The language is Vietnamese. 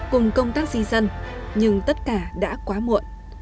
cùng công tác di dân nhưng tất cả đã quá muộn